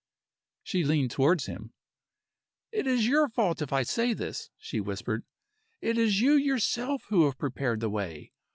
She leaned towards him. "It is your fault if I say this," she whispered. "It is you yourself who have prepared the way.